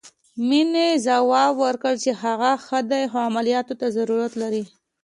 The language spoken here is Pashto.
مينې ځواب ورکړ چې هغه ښه ده خو عمليات ته ضرورت لري.